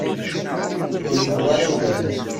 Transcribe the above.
Ur yuɣ ara awal.